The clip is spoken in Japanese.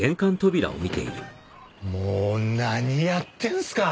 もう何やってんすか？